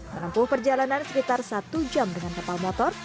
menempuh perjalanan sekitar satu jam dengan kapal motor